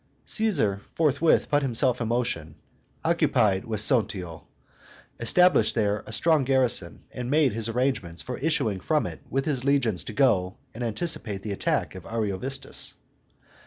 Caesar forthwith put himself in motion, occupied Vesontio, established there a strong garrison, and made his arrangements for issuing from it with his legions to go and anticipate the attack of Ariovistus.